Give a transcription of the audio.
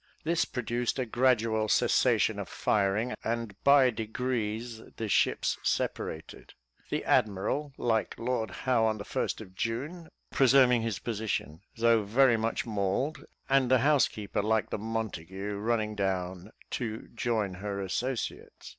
This produced a gradual cessation of firing, and by degrees the ships separated the admiral, like Lord Howe on the first of June, preserving his position, though very much mauled; and the housekeeper, like the Montague, running down to join her associates.